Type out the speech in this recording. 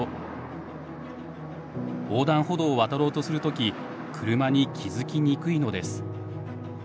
横断歩道を渡ろうとする時車に気付きにくいのです。